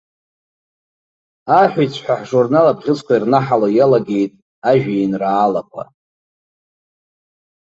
Аҳәиҵәҳәа ҳжурнал абӷьыцқәа ирнаҳало иалагеит ажәеинраалақәа.